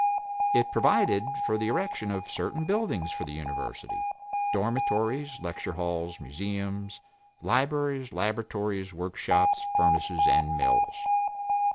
It provided for the erection of certain buildings for the University, dormitories, lecture halls, museums, libraries, laboratories, work shops, furnaces, and mills.